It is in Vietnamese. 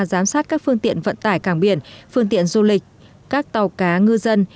giám sát các phương tiện vận tải cảng biển phương tiện du lịch các tàu cá ngư dân